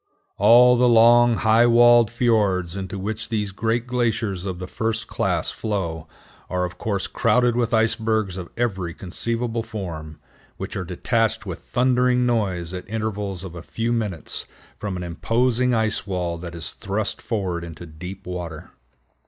All the long high walled fiords into which these great glaciers of the first class flow are of course crowded with icebergs of every conceivable form, which are detached with thundering noise at intervals of a few minutes from an imposing ice wall that is thrust forward into deep water.